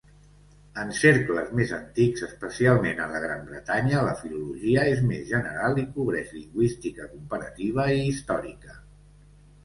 En cercles més antics, especialment a la Gran Bretanya, la filologia és més general, i cobreix lingüística comparativa i històrica.